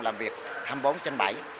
làm việc hai mươi bốn trên bảy